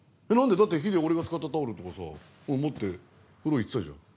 だってヒデ俺が使ったタオルとかさ持って風呂行ってたじゃん。